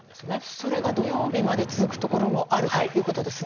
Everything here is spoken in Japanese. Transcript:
それが土曜日まで続くところもあるということですね。